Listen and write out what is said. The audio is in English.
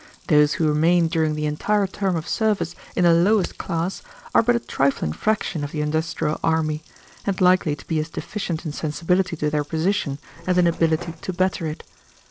Those who remain during the entire term of service in the lowest class are but a trifling fraction of the industrial army, and likely to be as deficient in sensibility to their position as in ability to better it.